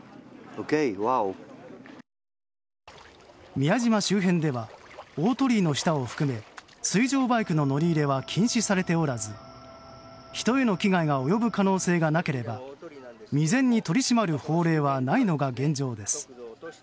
宮島周辺では大鳥居の下を含め水上バイクの乗り入れは禁止されておらず人への危害が及ぶ可能性がなければ未然に取り締まる法令はないのが現状です。